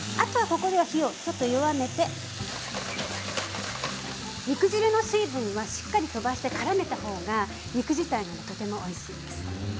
火を弱めて肉汁の水分、しっかり飛ばしてからめたほうが肉自体とてもおいしいです。